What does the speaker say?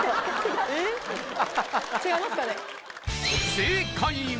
正解は